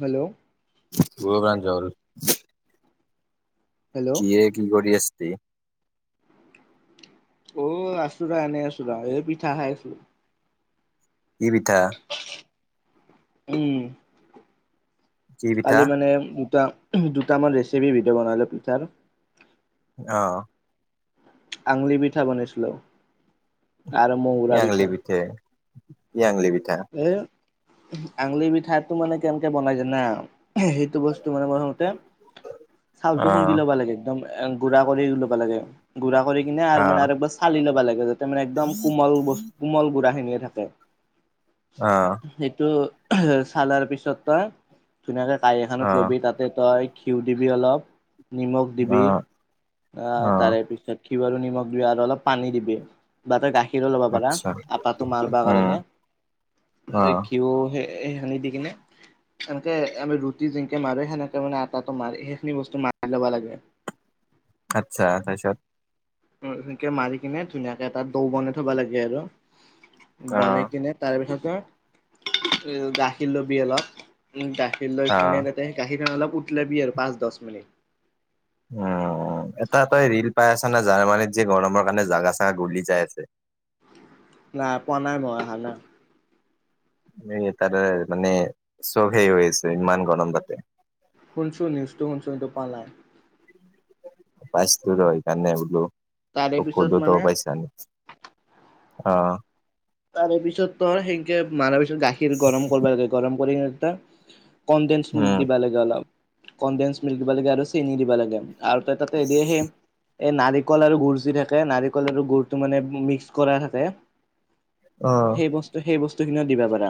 Hello. [unintelligible] [inaudible] Hello কি এ কি কৰি আছে [unintelligible] অঁ আছো ৰ এনেই আছো ৰ এই পিঠা খাই আছো। কি পিঠা- উম। কি পিঠা কালি মানে দুটা দুটা মান ৰেচিপি ভিডিঅ' বনালো পিঠাৰ। আহ। আংলি পিঠা বনাইছিলো আৰু মহৰা পিঠা। ইয়ংলি - [unintelligible] এ আঙলি পিঠাটো মানে কেনেকে বনাই জানা- সেইটো বস্তু মানে প্ৰথমতে- চাউলটো অ খুন্দি ল'বা লাগে একদম গুড়া কৰি ল'বা লাগে। গুড়া কৰি কিনে আৰু অ মানে আৰু একবাৰ চালি ল'ব লাগে যাতে মানে একদম কোমল বস্ত কোমল গুড়া খিনি- থাকে থাকে, অ সেইটো চালাৰ পিছত তই- ধুনীয়াকে কাঁহী এখনত অ ল'বি তাতে তই ঘিউ দিবি অলপ- নিমখ অ দিবি আহ অ তাৰে পিছত- ঘিউ আৰু নিমখ দিবা আৰু অলপ পানী দিবি বাট গাখীৰ- ঘিৰ ল'ব পাৰা। আচ্ছা আপা তোমাৰ বাবা উম অ কাৰণে ঘিউ- সে-সেইখিনি দি কিনে- সেনেকে আমি ৰুটি যেনকে মাৰে সেনেকে মানে আটাটো মাৰি সেইখিনি বস্তু মাৰি ল'ব লাগে। আত্ছা তাৰ পিছত- সেনেকে মাৰি কিনে ধুনীয়াকে এটা দৌ বনাই থবা লাগে আৰু। অ বনাই কিনে তাৰপিছত গাখীৰ লবি অলপ উ গাখীৰ- অ লৈ পিনে তাতে গাখীৰ কন অলপ উতলাবি আৰু পাঁচ দহ মিনিট। উম এটা তই ৰিল পাই আছ- জানা জাৰ্মানীত যে গৰমৰ কাৰণে জাগা চেগা গলি যাই যে। নাই পনাই মোৱা হ না। এই তাৰে মানে চখেই হৈছে ইমান গৰম তাতে। শুনছু নিউজটো শুনছোন কিন্তু পোৱা নাই। পাইচ তু এইকাৰণে বোলো তাৰে ত পিছত খোদো ত মানে পইচা ন অঁ। তাৰে পিছত ত সেনেকে মাৰাৰ পিছত গাখীৰ গৰম কৰিব লাগে, গৰম কৰি এ তাত কনডেনস মিল্ক উম দিবা লাগে, অলপ কনডেনস মিল্ক দিব লাগে আৰু চেনি দিবা লাগে। আৰু ত তাতে এদেহে এই নাৰিকল আৰু গুৰ যি থাকে, নাৰিকল আৰু গুৰটো মানে মিক্স কৰা থাকে। অ সেই বস্তু সেই বস্তুখিনিও দিবা পাৰা।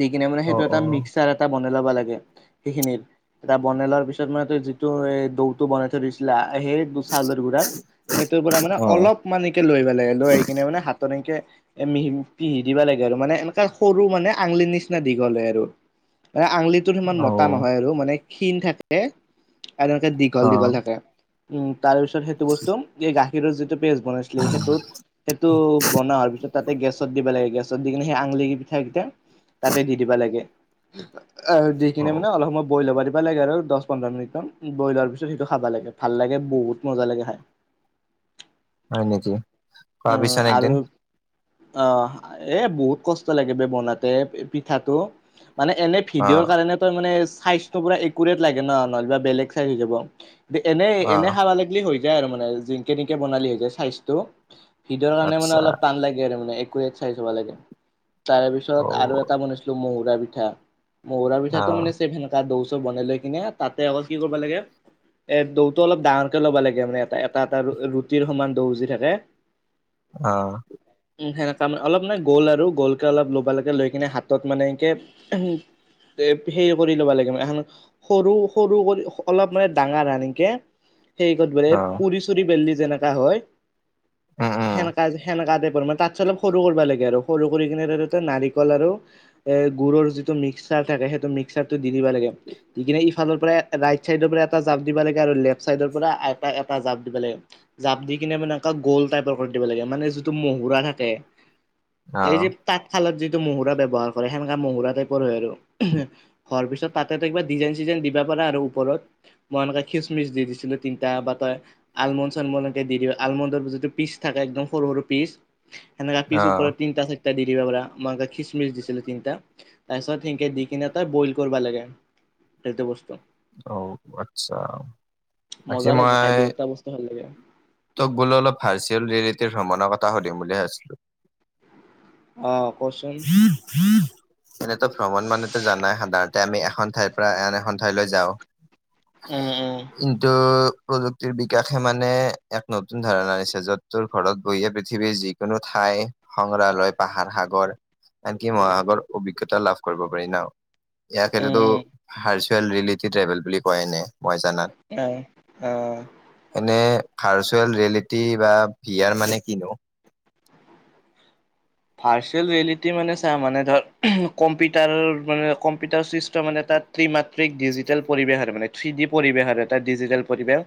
দি কিনে মানে অ সেইটো এটা মিক্সাৰ এটা - বনাই ল'বা লাগে। সেইখিনিৰ এটা বনাই লোৱাৰ পিছত মানে ত যিটো এই দৌতটো বনাই থৈ দিছিলা- সেই দু চাউলৰ গুড়াৰ সেইটোৰ পৰা মানে অ অলপ মানকে লৈব লাগে, লৈ কিনে মানে হাতত এনকে- এ মিহি পিহি দিবা লাগে আৰু মানে এনেকুৱা সৰু মানে আঙলিৰ নিচিনা দীঘল হয় আৰু। [unintelligible] আঙলিটোত সিমান অ মতা অ নহয় আৰু মানে ক্ষীণ থাকে। এনেকে দীঘল অ দীঘল থাকে, উম তাৰ পিছত সেইটো বস্তু এই গাখীৰৰ যিটো- পেষ্ট বনাইছিলে সেইটোত সেইটো বনা পিছত- তাতে গেছত দিবা লাগে। গেছত দি কিনে সেই আঙলি পিঠা কেইটা তাতে দি দিবা লাগে। অঁ দি অ কিনে মানে অলপ সময় বইল হব দিব- খাব লাগে আৰু দহ পোন্ধৰ মিনিট মান বইল হোৱাৰ পিছত সেইটো খাবা লাগে, ভাল লাগে বহুত মজা লাগে খাই। হয় নেকি খোৱাবি উম চোন আৰু একদিন। আহ এ বহুত কষ্ট লাগে বে বনাতে পিঠাটো। মানে এনে অ ভিডিঅৰ কাৰণে ত মানে চাইজটো একেবাৰে একুৰেট লাগে ন নহলে বা বেলেগ চাইজ হৈ যাব। এনে অ এনে খাব লাগলি হৈ যায় আৰু মানে যেনকে তেনকে বনালি হৈ যায় চাইজটো হৃদৰ কাৰণে মানে আচ্ছা অলপ টান লাগে আৰু মানে একো এক চাইজ হ'ব লাগে তাৰ অ পিছত আৰু এটা বনাইছিলো মহুৰা পিঠা মহুৰা অ পিঠাটো মানে চেম সেনকা দৌছ বনাই লৈ কিনে তাতে আকৌ কি কৰিব লাগে এ দৌটো অলপ ডাঙৰকে ল'ব লাগে মানে এ এটা এটা ৰু ৰুটিৰ সমান দৌ যি থাকে অহ সেনেকা মানে অলপ মানে গোল আৰু গোলকে অলপ ল'ব লাগে লৈ কিনে হাতত মানে এনকে উমহ এ হেৰি কৰি ল'ব লাগে মানে, এ সৰু- সৰু কৰি অলপ মানে ডাঙৰ এনাকে সেই ক'ত বোৰে অ পুৰি -চুৰি বেললি যেনেকা হয়, উম উম সেনেকা সেনেকাতে বৰ মা তাত ছে অলপ সৰু কৰিব লাগে আৰু সৰু কৰি কিনে ধৰি ল তই নাৰিকল আৰু এ গুৰৰ যিটো মিক্সাৰ তা থাকে সেইটো মিক্সাৰটো দি দিব লাগে, দি কিনে ইফালৰ পৰা ৰাইট চাইদৰ পৰা এটা জাপ দিব লাগে আৰু লেফ চাই চাইডৰ পৰা এটা এটা জাপ দিব লাগে, জাপ দি কিনে মানে এনকা গল তাইপৰ কৰি দিব লাগে মানে যিটো মহুৰা থাকে। অ এই যে তাঁতশালত যে মহুৰা ব্যৱহাৰ কৰে, সেনকা মহুৰা টাইপৰ হয় আৰু উমহ হোৱাৰ পিছত তাতেটো তই কিবা ডিজাইন চিজাইন দিবা প পাৰা আৰু ওপৰত, মই এনেকে খিচমিচ দি দিছিলো তিনিটা বা তই আলমুণ- চালমুণ এনকে দি দিব, আলমুণ যিটো পিছ থাকে একদম সৰু সৰু পিছ সেনেকা অ পিছ ওপৰত তিনটা চা টা দি দিব পাৰা, মই আক খিচমিচ দিছিলো তিনটা, তাৰপিছত সেনকে দি কিনে তই বইল কৰিব লাগে সেইটো বস্তু। অ আচ্ছা, বাকী মজা লাগে খাই মই দুয়োটা বস্তু ভাল লাগে তোক বোলো অলপ ভাৰ্চুৱেল ৰিয়েলিটিৰ ভ্ৰমণৰ কথা সুধিম বুলি ভাবছিলোঁ? অ। কচোন হম হম [unintelligible] এনেটো ভ্ৰমণ মানেটো জানাই সাধাৰণতে আমি এখন ঠাইৰ পৰা আন এখন ঠাইলৈ যাওঁ। উম উম কিন্তু প্ৰযুক্তিৰ বিকাশে মানে এক নতুন ধাৰণা আনিছে, য'ত তোৰ ঘৰত বহিয়ে পৃথিৱীৰ যিকোনো ঠা ঠাই সংগ্ৰালয়, পাহাৰ, সাগৰ আনকি মহাসাগৰ অভিজ্ঞতাও লাভ কৰিব পাৰি ন, ইয়াত উম সেইটোতো উম হাৰ ভাৰ্চুৱেল ৰিয়েলিটী ট্ৰেভেল বুলি কয় এনে মই জনাত। অ অ। এনে ভাৰ্চুৱেল ৰিয়েলিটী বা ভিয়াৰ মানে কিনো? ভাৰ্চুৱেল ৰিয়েলিটী মানে চা মানে ধৰ উমহ কম্পিউটাৰ মানে কম্পিউটাৰ চিষ্টেম মানে তাত ত্ৰিমাত্ৰিক ডিজিটেল পৰিৱেশ আৰু মানে থ্ৰী ডি পৰিৱেশ আৰু এটা ডিজিটেল পৰিৱেশ।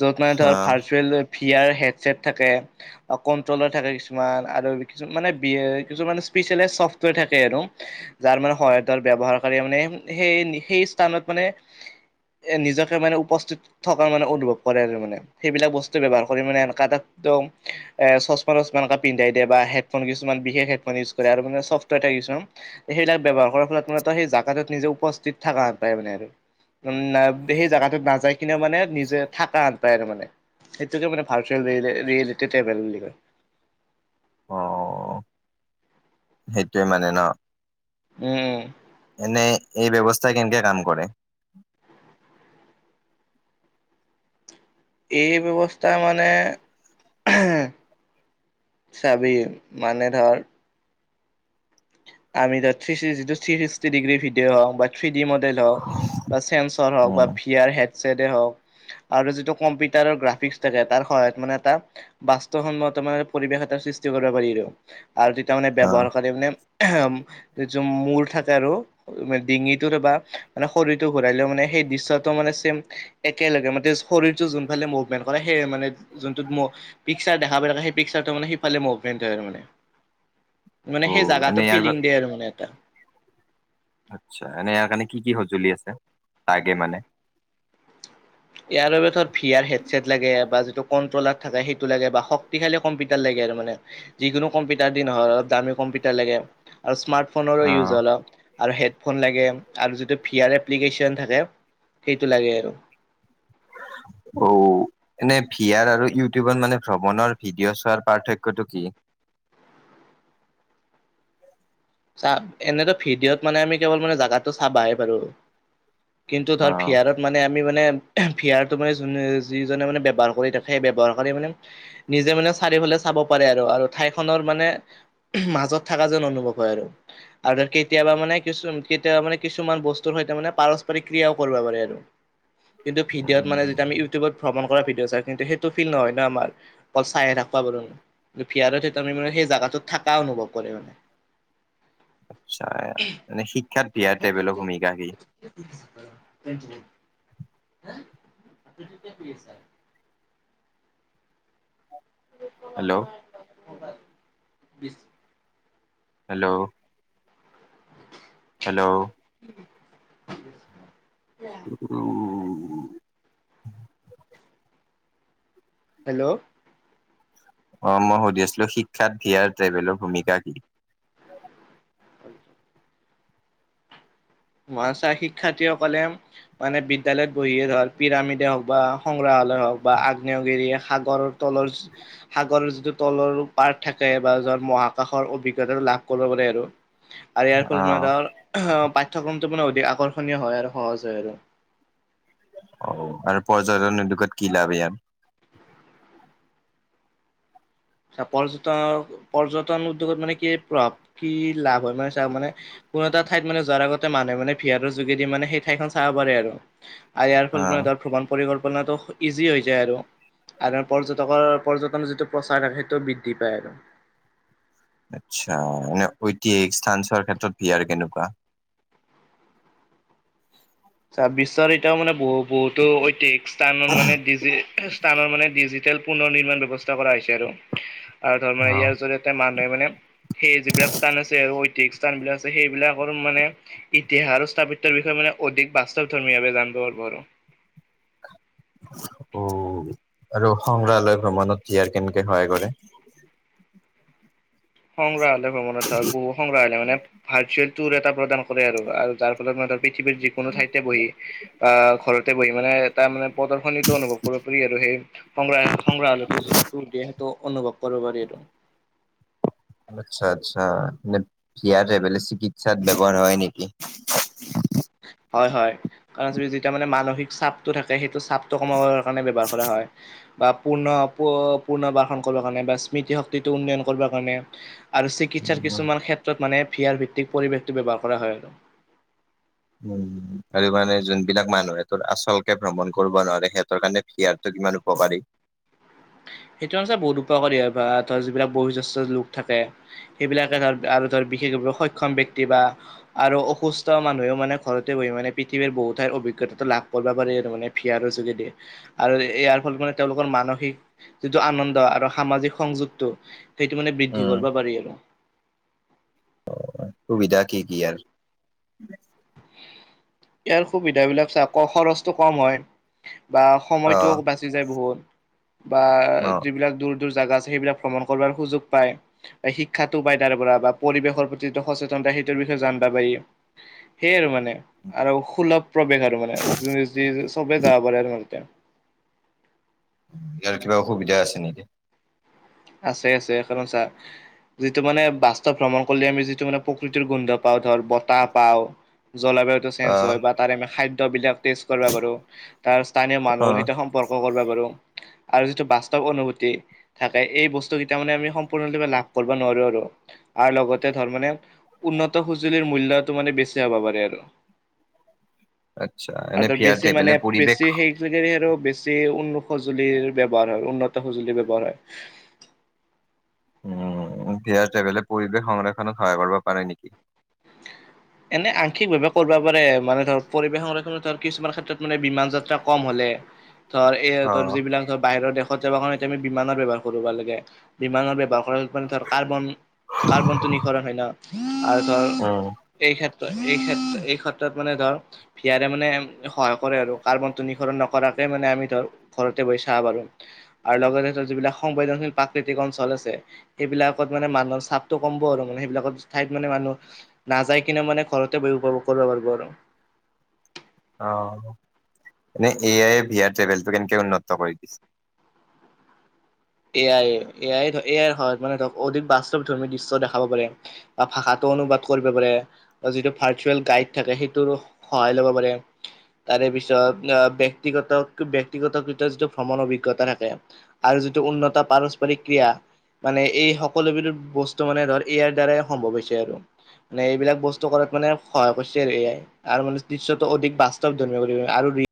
য'ত মানে ধৰ আহ ভাৰ্চুৱেল ভিয়াৰ হেড ছেট থাকে আৰু কন্ট্ৰল থাকে কিছুমান আৰু কিছু মানে বি এ কিছুমানে স্পেচিয়েলাইজ চফ্টৱেৰ থাকে আৰু যাৰ মানে সহায়ত আৰু ব্যৱহাৰকাৰীয়ে মানে সেই সেই স্থানত মানে এ নিজকে মানে উপস্থিত থকাৰ মানে অনুভৱ কৰে আৰু মানে সেইবিলাক বস্তু ব্যৱহাৰ কৰি মানে এনকা এটা একদম, এ চচমা- তচমা এনকা পিন্ধাই দিয়ে বা হে হেডফোন কিছুমান বিশেষ হেডফোন ইউজ কৰে আৰু মানে ছফ্টৱেৰ থাকে কিছুমান, সেইবিলাক ব্যৱহাৰ কৰাৰ ফলত মানে ত সেই জাগাটোত নিজ উপস্থিত থাকা পায় মানে আৰু। উম না সেই জাগাটোত নাযায় কিনেও মানে নিজে থাকা পায় আৰু মানে। সেইটোকে মানে ভাৰ্চুৱেল ৰিয়ে ৰিয়েলিটী ট্ৰেভেল বুলি কয়। অ, সেইটোৱে মানে ন। উম। এনে এই ব্যৱস্থাই কেনকে কাম কৰে? এই ব্যৱস্থা মানে, আহ চাবি মানে ধৰ আমি য'ত থ্ৰি ছি যিটো থ্ৰি ছিক্সটি ডিগ্ৰি ভিডিঅ' হওঁক বা থ্ৰি দি মডেল হওঁক বা চেমচৰ হওঁক বা উম ফি আৰ হেদ চেদে হওঁক আৰু যিটো কমপি কম্পিউটাৰৰ গ্ৰাফিক্স থাকে তাৰ সহায়ত মানে তাপ বাস্তৱসন্মত তোমাৰ পৰিৱেশ এটা সৃষ্টি কৰিব পাৰি ৰ। আৰ তিতা মানে অ। ব্যৱহাৰ কৰিম নে? এহেম, যৌ মূৰ ঠাইত আৰু ডিঙিটো বা শৰীৰটো ঘূৰাইলেও মানে সেই দৃশ্যটো মানে চেম একেলগে মতে শৰীৰটো যোনফালে মুভমেণ্ট কৰে। হে মানে যোনটোত মো পিক্সাৰ দেখা পাই থকা হে পিক্সাৰ ত মানে সিফালে মভপেন্ট হয় আৰু মানে, মানে অ সেই এনে জেগাটোত ইয়াৰ ফিলিং বা- দিয়ে মানে এটা। আচ্ছা, এনে ইয়াৰ কাৰণে কি কি সঁজুলি আছে তাইকে মানে? ইয়াৰ বাবে ঠত ভিয়াৰ হেডছেট লাগে বা যিটো কন। তলাত থাকা সেইটো লাগে বা শক্তিশালি কম্পিউটাৰ লাগে আৰু মানে। যিকোনো কম্পিউটাৰ দি নহয় অ দামী কম্পিউটাৰ লাগে আৰু স্মাৰ্ট ফোনৰ অ ইউজ জলক। আৰু হেডফোন লাগে আৰু যিটো ফিয়াৰ এপ্লিকেশ্যন থাকে সেইটো লাগে আৰু। [unintelligible] অও এনে ভিয়াৰ আৰু ইউটিউবৰ মানে ভ্ৰমণৰ ভিডিঅ' চোৱাৰ পাৰ্থক্যটো কি? [inaudible] চা এনেটো ভিডিঅ'ত মানে আমি কেৱল মানে জাগাতটো চাবাহে পাৰো। কিন্তু অ তাৰ ফিয়াৰত মানে আমি মানে। এহে ফিয়াৰটো মানে যোনে যিজনে মানে ব্যৱহাৰ কৰি থাকে ব্যৱহাৰ কৰি মানে নিজে মানে চাৰিওফালে চাব পাৰে আৰু আৰু ঠাইখনৰ মানে ওহু মাজত থাকা যেন অনুভৱ হয় আৰু। আৰু কেতিয়াবা মানে কিছু কেতিয়াবা মানে কিছুমান বস্তুৰ সৈতে মানে পাৰস্পৰিক ক্ৰিয়াও কৰিব পাৰে আৰু। কিন্তু ভিডিয়ত মানে উম যেতিয়া আমি ইউটিউবত ভ্ৰমণ কৰা ভডিঅ' চাই কিন্তু হেই টো ফিল নহয় ন আমাৰ, অকল চাই হে থাকবা পাঁৰোন। টু ফিয়াৰতে তমি মানে সেই জোগাটোত থাকা অনুভৱ কৰে মানে। আচছা এনে শিক্ষাত ভি য়াৰ টবেলৰ ভূমিকা কি? [unintelligible] হেল্ল' ছ [unintelligible] হেল্লৌ'। হেল্লৌ। [unintelligible] [unintelligible] হেল্ল'। অ মই সুধি আছিলো শিক্ষাত ভিয়াৰ ট্ৰেভেলৰ ভূমিকা কি? হয়। মৰাচা শিক্ষাৰ্থীসকলে মানে বিদ্যালয়ত বহিয়ে ৰল পিৰামিডে হওক বা সংগ্ৰাহ। আলৰ হক বা আগ্নেয়গিৰী সাগৰতলৰ সাগৰ যিটো তলৰ পাৰ্ট থাকে বা। য'ত মোৰ আকাখৰ অভিজ্ঞতাটো লাভ কৰিবলৈ আৰু আৰেয়াৰ অ ফলত মাডাৰ অহ পাইক। কোনটো পুনৰ অতি আকৰ্ষণীয় হয় আৰু সহজ হয় আৰু। অ আৰু পৰ্যটন উদ্যোগত কি লাভ ইয়াত। চ পৰ্যটনৰ পৰ্যটন উদ্যোগত মানে কি প্ৰভাৱ কি লাভ হয় মানে চও মানে কোনো এটা ঠাইত মানে যোৱাৰ আগতে মানুহে মানে ভিয়াৰৰ যোগেদি মানে সেই ঠাইখন চাব পাৰে আৰু। আৰু ইয়াৰ অ ফলৰ মানে ধৰ ভ্ৰমণ পৰি্প পনাটো ইজি হৈ যায় আৰু, আৰু পৰ্যটকৰ পৰ্যটনৰ যিটো প্ৰচাৰে টো বৃদ্ধি পায় আৰু। আচ্ছা মানে ঐতিহাসিক স্থান চোৱাৰ ক্ষেত্ৰত ভি য়াৰ কেনেকুৱা? চা বিশ্বৰিত মানে বহু বহুতো ঐতিক স্থান মানে ডিজি স্থানৰ মানে ডিজি তেল পুনৰ নিৰ্মাণ ব্যৱস্থা কৰা হৈছে আৰু, আৰু আমাৰ অ জৰিয়তে মানুহে মানে সেই যিবিলাক স্থান আছে আৰু ঐতিহিক স্থান বিলাক আছে সেইবিলাকৰ মানে ইতিহাস আৰু স্থাপিত্বৰ বিষয়ে মানে অধিক বাস্তৱ ধৰ্মী ভাবে জানব পাৰব। অ ওওওও। আৰু সংগ্ৰালয় ভ্ৰমণত ভি য়াৰ কেনেকে সহায় কৰে? সংগ্ৰাহালয় ভ্ৰমণত বহু সংগ্ৰহালয় মানে ভাৰ্চুৱেল তোৰ এটা প্ৰদান কৰে আৰু যাৰ ফলত ম পৃথিৱীৰ যিকোনো ঠাইতে বহি বা ঘৰতে বহি মানে তাৰ মানে প্ৰদৰ্শনীতো অনুভৱ কৰিব পাৰি আৰু। সেই সংগ সংগ্ৰাহালয়টো যিটো ত দিয়ে সেইটো অনুভৱ কৰিব পাৰি এইটো। [inaudible] আচ্ছা আচ্ছা মানে ভি আৰ [unintelligible] চিকিৎসাত বৱহাৰ হয় নেকি? উ [inaudible] হয় হয় কাৰণ যেতিয়া মানে মানসিক চাপটো থাকে চাপটো কমাবৰ কাৰণে ব্যৱহাৰ কৰা হয়। বা পূৰ্ণ পুৰ্ণবাসন কৰিবৰ কাৰণে বা স্মৃতি শক্তিটো উন্নয়ন কৰিবৰ কাৰণে। আৰু চিকিৎসাৰ উম কিছুমান ক্ষেত্ৰত মানে ফিয়াৰ ভিত্তিক পৰিৱেশটো ব্যৱহাৰ কৰা হয় আৰু উ আৰু মানে যোনবিলাক মানুহ তোৰ আচল কে ভ্ৰমণ কৰিব নোৱাৰে সিহঁতৰ কাৰণে ফিয়াৰটো ইমান উপকাৰী সেইটো সঁচা বহুত উপকাৰী হয় বা ধৰ যিবিলাক বয়োজ্যেষ্ঠ লোক থাকে সেইবিলাকে ধৰ আৰু ধৰ বিশেষভাৱে সক্ষম ব্যক্তিৰ বা আৰু অসুস্থ মানুহে মানে ঘৰতে বহি মানে পৃথিৱীৰ বহুত ঠাইৰ। অভিজ্ঞতাটো লাভ কৰিব পাৰি আৰু মানে ফিয়াৰৰ যোগেদি আৰু ইয়াৰ ফলত মানে তেওঁলোকৰ মানসিক। যিটো আনন্দ আৰু সামাজিক সংযোগটো সেইটো মানে বৃদ্ধি উম কৰিব পাৰি আৰু। সুবিধা কি কি এইয়াৰ ইয়াৰ সুবিধাবিলাক চ আকৌ খৰচটো কম হয়। বা অ সময়টোও বাচি যায় বহুত বা অ যিবিলাক দৰ জাগা আছে সেইবিলাক ভ্ৰমণ কৰ সুযোগ পায় বা শিক্ষাটো পায় তাৰ পৰা বা পৰিৱেশৰ প্ৰতি সচেতন তই সেইটোৰ বিষয় সেয়ে আৰু মানে আৰু সুলভ প্ৰৱেশ আৰু মানে যোনে যি চবেই যাব পাৰে আৰু ম। ইয়াৰ কিবা অসুবিধা আছে নেকি? আছে আছে এখন চা। যিটো মানে বাস্তৱ ভ্ৰমণ কৰিলে আমি যিটো মানে প্ৰকৃতিৰ গোন্ধ পাওঁ ধৰ বতাহ পাওঁ। জলবায়ুটো চেঞ্জ আহ হয় বা তাৰে আমি খাদ্যবিলাক। তেজ কৰিব পাৰো তাৰ স্থানীয় মানুহৰ অ'। সৈতে সম্পৰ্ক কৰিবা পাৰো। আৰু যিটো বাস্তৱ অনুভূতি থাক। ত এই বস্তুকেইটা মানে আমি সম্পূৰ্ণৰূপে লাভ কৰিব নোৱাৰোঁ আৰু আৰু লগতে ধৰ মানে উন্নত স সঁজুলিৰ মূল্যটো মানে বেছি হ'ব পাৰে আৰু। [inaudible] আচ্ছা, আৰু এনে ভি তাত আৰ বেছি ট্ৰেভেলে মানে পৰিৱেশ বেছি সেই আৰু। বেছি উন্ন সঁজুলিৰ ব্যৱহাৰ হয় উন্নত সঁজুলি ব্যৱহাৰ হয়। উম এতিয়া বেলেগ পৰিৱেশ সংৰক্ষণত সহায় কৰিব পাৰে নেকি। এনে আংশিকভাৱে কৰিবা পাৰে মানে ধৰ পৰিবেশ সংৰক্ষণ তাৰ কিছুমান ক্ষেত্ৰত মানে বিমান যাত্ৰা কম হয়। হলে ধৰ ইহঁতৰ অ', যিবিলাক ধৰ বাহিৰৰ দেশ। অত কাৰণে আমি বিমানৰ ব্যৱহাৰ কৰিবা লাগে বিমানৰ ব্যৱহাৰ কৰা। ধ কাৰ্বন কাৰ্বনটো নিখৰণ হয় ন আৰু ধ আহ এই ক্ষেত্ৰ এই ক্ষেত্ৰত মানে ধৰ ভিয়াৰে মানে সহায় কৰে আৰু কাৰ্বন টো নিহৰণ নকৰাক মানে আমি ধৰ ঘৰতে বহি চাব পাৰো আৰু লগতে ধৰ যিবিলাক সংবেদনশীল প্ৰাকৃতিক অঞ্চল আছে। সেইবিলাকত মানে মানুহৰ চাপটো কমব আৰু মানে সেইবিলাকত ঠাইত মানে মানুহ নাযায় কিনে মানে ঘৰতে বহি উপভোগ কৰিব পাৰিব আৰু আহ এনে এ আই এ ভিয়া ট্ৰেভেলটো কেনেকে উন্নত কৰি দিছে। এয়াই এয়াই ধৰ এয়াই মানে ধৰক অধিক বাস্তৱ ধৰ্মী দৃশ্য দেখাব পাৰে বা ভাষাটো অনুবাদ কৰিব পাৰে বা যিটো ভাৰ্চুৱেল গাইড থাকে সেইটোৰ সহায় লব পাৰে। তাৰে পিছত ব্যক্তিগত ব্যক্তিগত কৃত যিটো ভ্ৰমণ অভিজ্ঞতা থাকে আৰু যদি উন্নত পাৰস্পৰিক ক্ৰিয়া মানে এই সকলো বিধ বস্তু মানে ধৰ ইয়াৰ দ্বাৰাই সম্ভৱ হৈছে আৰু। মানে এইবিলাক বস্তু কৰাত মানে সহায় কৰিছে আৰু, এ আই আৰু মানে দৃশ্যটো অধিক বাস্তৱ ধৰ্মীয় কৰিব আৰু